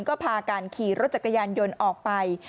ก็พากันขี่รถจักรยานยนต์ออกไป